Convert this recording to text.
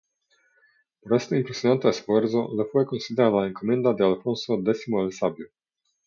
Por este impresionante esfuerzo le fue concedida la Encomienda de Alfonso X el Sabio.